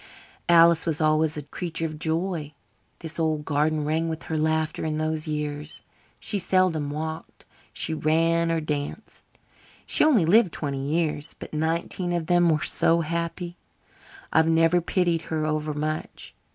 "Alice was always a creature of joy. This old garden rang with her laughter in those years. She seldom walked she ran or danced. She only lived twenty years, but nineteen of them were so happy I've never pitied her over much.